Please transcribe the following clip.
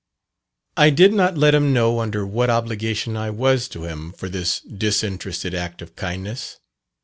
I did not let him know under what obligation I was to him for this disinterested act of kindness.